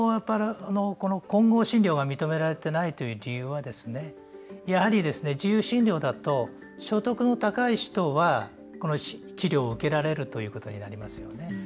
混合診療が認められてない理由はやはり自由診療だと所得の高い人は治療を受けられるということになりますよね。